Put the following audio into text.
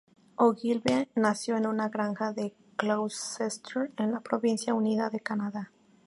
Ogilvie nació en una granja de Gloucester en la Provincia Unida de Canadá.